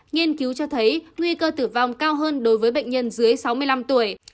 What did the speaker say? nghiên cứu cho thấy nguy cơ tử vong cao hơn đối với bệnh nhân dưới sáu mươi năm tuổi